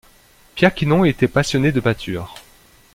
Pierre Quinon était passionné de peinture.